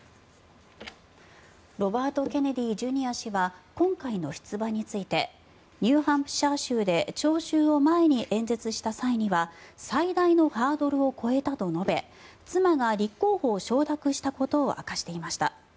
ロバート・ケネディ・ジュニア氏は今回の出馬についてニューハンプシャー州で聴衆を前に演説した際には最大のハードルを越えたと述べ妻が立候補を承諾したことを明かしていました。